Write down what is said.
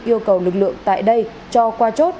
yêu cầu lực lượng tại đây cho qua chốt